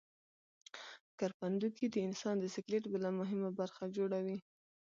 کرپندوکي د انسان د سکلیټ بله مهمه برخه جوړوي.